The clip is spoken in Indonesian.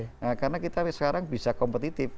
nah karena kita sekarang bisa kompetitif